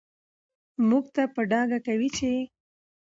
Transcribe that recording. موږ ته په ډاګه کوي چې